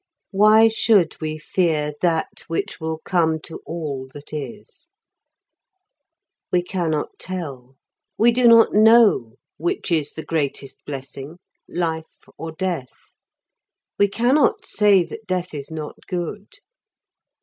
Why should we fear that which will come to all that is? We cannot tell. We do not know which is the greatest blessing, life or death. We cannot say that death is not good.